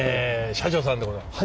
社長さんでございますか？